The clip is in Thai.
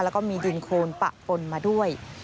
แล้วก็มีดินโคนปะปนมาด้วย